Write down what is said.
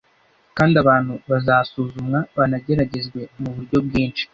kandi abantu bazasuzumwa banageragezwe mu buryo bwinshi